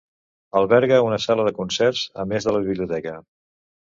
Alberga una sala de concerts, a més de la biblioteca.